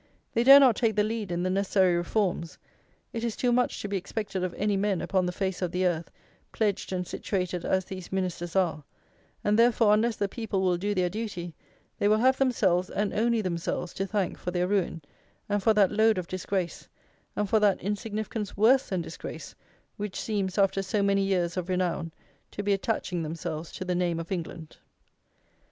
They dare not take the lead in the necessary reforms. It is too much to be expected of any men upon the face of the earth, pledged and situated as these Ministers are; and therefore, unless the people will do their duty, they will have themselves, and only themselves, to thank for their ruin, and for that load of disgrace, and for that insignificance worse than disgrace which seems, after so many years of renown, to be attaching themselves to the name of England.